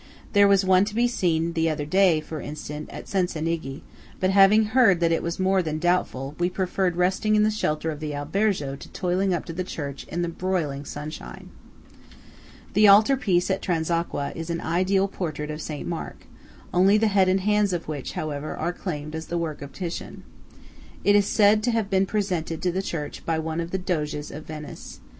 There was one to be seen the other day, for instance, at Cencenighe; but having heard that it was more than doubtful, we preferred resting in the shelter of the albergo to toiling up to the church in the broiling sunshine. The altar piece at Transacqua is an ideal portrait of St. Mark, only the head and hands of which, however, are claimed as the work of Titian. It is said to have been presented to the church by one of the Doges of Venice.